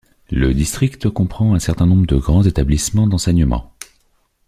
Le district comprend un certain nombre de grands établissements d'enseignement.